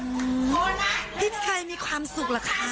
เห็นใครมีความสุขหรอคะ